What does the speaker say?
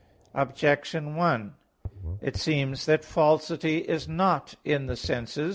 Objection 1: It seems that falsity is not in the senses.